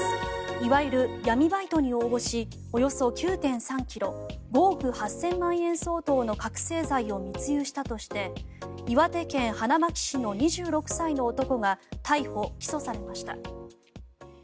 いわゆる闇バイトに応募しおよそ９．３ｋｇ５億８０００万円相当の覚醒剤を密輸したとして岩手県花巻市の２６歳の男が逮捕・起訴されました。